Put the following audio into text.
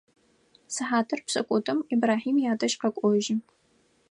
Сыхьатыр пшӏыкӏутӏум Ибрахьим ядэжь къэкӏожьы.